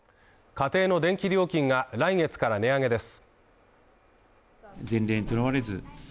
家庭の電気料金が来月から値上げです。